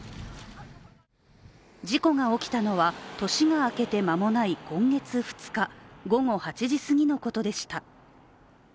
事故が起きたのは年が明けて間もない今月２日午後８時すぎのことでした。